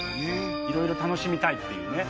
いろいろ楽しみたいっていうね。